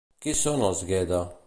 Qui són els Ghede?